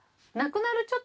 亡くなる